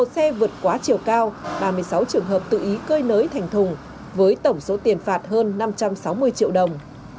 một xe vượt quá chiều cao ba mươi sáu trường hợp tự ý cơi nới thành thùng với tổng số tiền phạt hơn năm trăm sáu mươi triệu đồng